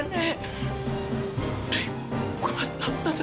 nek aku nggak tahu